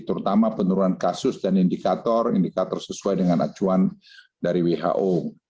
terutama penurunan kasus dan indikator indikator sesuai dengan acuan dari who